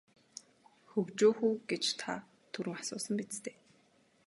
Хөгжөөх үү гэж та түрүүн асуусан биз дээ.